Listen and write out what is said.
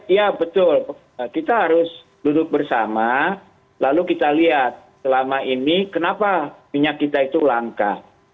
ya betul kita harus duduk bersama lalu kita lihat selama ini kenapa minyak kita itu langka